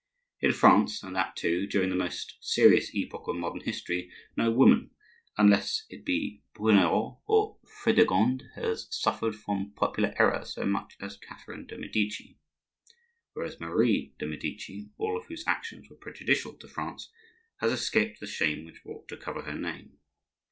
In France, and that, too, during the most serious epoch of modern history, no woman, unless it be Brunehaut or Fredegonde, has suffered from popular error so much as Catherine de' Medici; whereas Marie de' Medici, all of whose actions were prejudicial to France, has escaped the shame which ought to cover her name.